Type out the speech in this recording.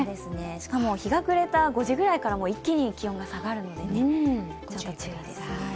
しかも、日が暮れた５時くらいから一気に下がるのでちょっと注意ですね。